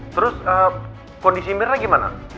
terus kondisi mirna gimana